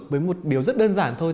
với một điều rất đơn giản thôi